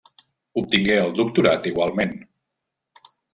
Obtingué el doctorat igualment.